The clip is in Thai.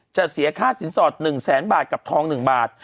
เสียค่าสินสอด๑แสนบาทกับทอง๑บาท